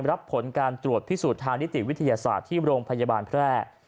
รับผลการตรวจพิสูจน์ทางนิติวิทยาศาสตร์ที่โรงพยาบาลแพร่